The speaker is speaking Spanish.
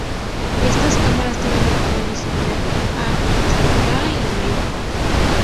Estas cámaras tienen un tamaño similar a las de Ka y Narmer.